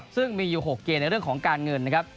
ซึ่งมีอยู่๖เกณฑ์ในเรื่องของการเงินนะครับ